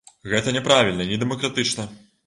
Гэта няправільна і не дэмакратычна.